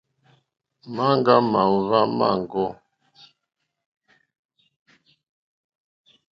Maŋga màòhva maŋgɔ.